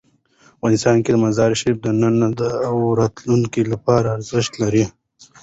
افغانستان کې مزارشریف د نن او راتلونکي لپاره ارزښت لري.